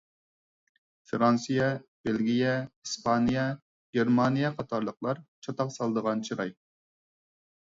فىرانسىيە، بېلگىيە، ئىسپانىيە، گېرمانىيە قاتارلىقلار چاتاق سالىدىغان چىراي.